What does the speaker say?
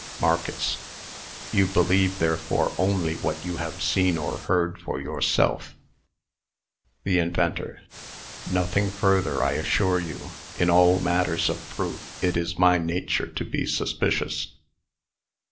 MARCUS. "You believe, therefore, only what you have seen or heard for yourself." THE INVENTOR. "Nothing further, I assure you. In all matters of proof, it is my nature to be suspicious."